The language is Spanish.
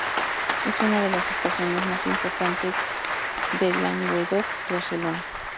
Es una de las estaciones más importantes del Languedoc-Rosellón.